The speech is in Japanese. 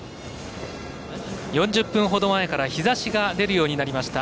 ４０分ほど前から日ざしが出るようになりました